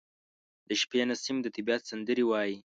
• د شپې نسیم د طبیعت سندرې وايي.